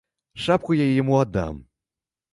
Шапку я яму аддам.